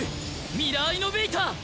ミラーイノベイター！